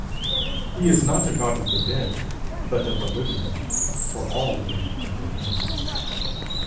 He is not a God of the dead, but of the living: for all live unto him.